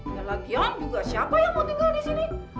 yang lagian juga siapa yang mau tinggal di sini